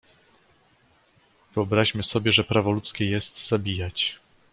"Wyobraźmy sobie, że prawo ludzkie jest: zabijać!"